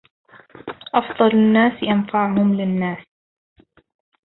أفضل النّاس أنفعهم للنّاس.